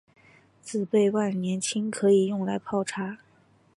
紫背万年青可以用来泡茶。